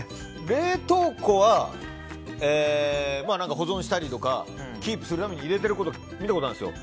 冷凍庫は、保存したりとかキープするために入れているのを見たことがあるんですよ。